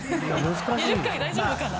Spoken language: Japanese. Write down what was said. ２０回大丈夫かな？